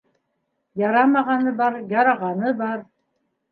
- Ярамағаны бар, ярағаны бар.